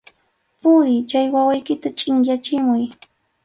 ¡Puriy, chay wawaykita chʼinyachimuy!